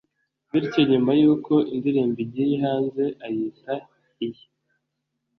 bityo nyuma y'uko indirimbo igiye hanze ayita iye